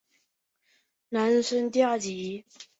一般男生组前四名将来年公开组男生第二级。